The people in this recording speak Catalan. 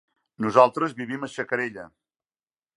Nosaltres vivim a Xacarella.